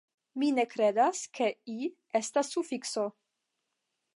Mi ne kredas, ke -i- estas sufikso.